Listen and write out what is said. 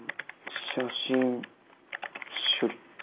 写真処理。